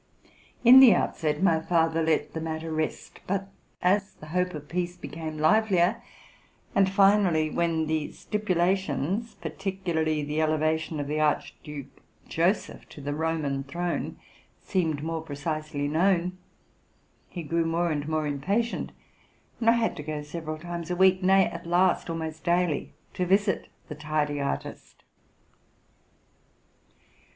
In the outset, my father let the matter rest: but as the hope of peace became livelier, and finally when the stipulations, — particularly the eievation of the Archduke Joseph to the Roman throne, —seemed more precisely known, he grew more and more impatient; and I had to go several times a week, nay, at last, almost daily, to visit the tardy artist.